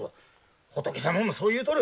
仏様もそう言うとる。